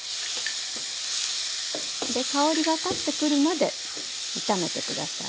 香りが立ってくるまで炒めて下さい。